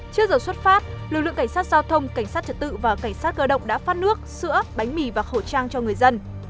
trước giờ xuất phát lực lượng cảnh sát giao thông cảnh sát trật tự và cảnh sát cơ động đã phát nước sữa bánh mì và khẩu trang cho người dân